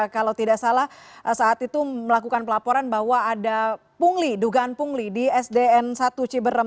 kalau tidak salah saat itu melakukan pelaporan bahwa ada pungli dugaan pungli di sdn satu ciberem